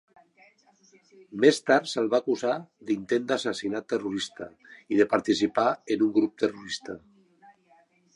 Més tard se'l va acusar d'intent d'assassinat terrorista i de participar en un grup terrorista.